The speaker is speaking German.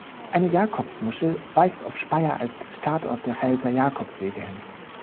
Eine Jakobsmuschel weist auf Speyer als Startort der Pfälzer Jakobswege hin.